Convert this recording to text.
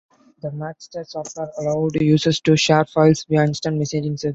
The Madster software allowed users to share files via instant messaging services.